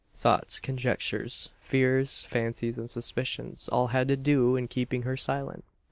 Thoughts, conjectures, fears, fancies, and suspicions, all had to do in keeping her silent.